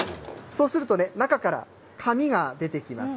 そうするとね、中から紙が出てきます。